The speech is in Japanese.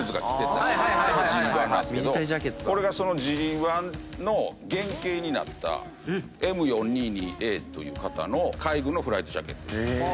これがそのＧ−１の原型になったＭ−４２２Ａという型の海軍のフライトジャケット。